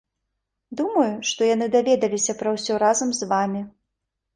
Думаю, што яны даведаліся пра ўсё разам з вамі.